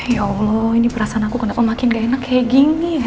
ya allah ini perasaan aku kenapa makin gak enak kayak gini ya